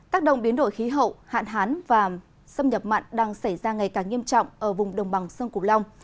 tác động biến đổi khí hậu hạn hán và xâm nhập mặn đang xảy ra ngày càng nghiêm trọng ở vùng đồng bằng sông củ long